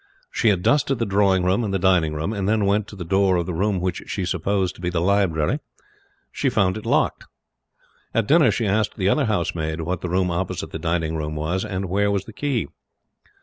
She had dusted the drawing room and dining room, and then went to the door of the room which she supposed to be the library. She found it locked. At dinner she asked the other housemaid what the room opposite the dining room was, and where was the key.